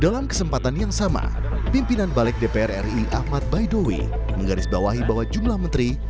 dalam kesempatan yang sama pimpinan balik dpr ri ahmad baidowi menggarisbawahi bahwa jumlah menteri